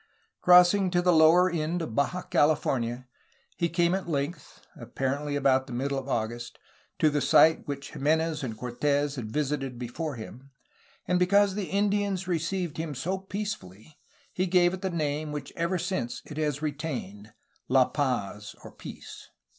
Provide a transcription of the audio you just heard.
Crossing to the lower end of Baja California, he came at length, apparently about the middle of August, to the site which Jimenez and»Cortes had visited before him, and because the Indians received him so peacefully he gave it the name which ever since it has re tained, "La Paz'* (Peace).